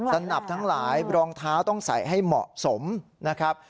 สนับทั้งหลายรองเท้าต้องใส่ให้เหมาะสมนะครับ